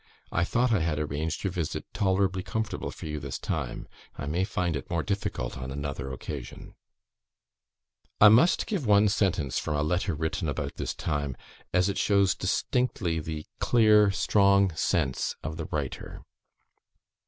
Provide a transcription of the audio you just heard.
I thought I had arranged your visit tolerably comfortable for you this time. I may find it more difficult on another occasion." I must give one sentence from a letter written about this time, as it shows distinctly the clear strong sense of the writer.